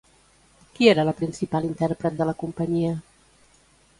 Qui era la principal intèrpret de la companyia?